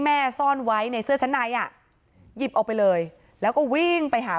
ซ่อนไว้ในเสื้อชั้นในอ่ะหยิบออกไปเลยแล้วก็วิ่งไปหา